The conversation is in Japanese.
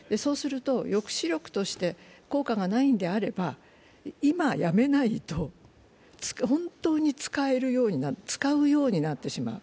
抑止力として効果がないのであれば今、やめないと本当に使うようになってしまう。